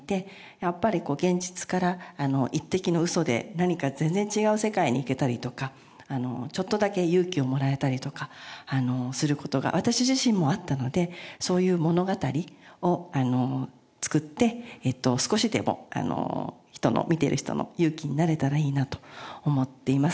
やっぱり現実から一滴のウソで何か全然違う世界に行けたりとかちょっとだけ勇気をもらえたりとかする事が私自身もあったのでそういう物語を作って少しでも人の見てる人の勇気になれたらいいなと思っています。